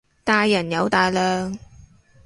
大人有大量